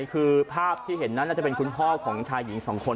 คือภาพที่เห็นนั้นน่าจะเป็นคุณพ่อของชายหญิงสองคน